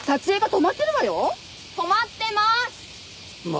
止まってます！